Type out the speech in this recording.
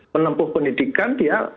penempuh pendidikan dia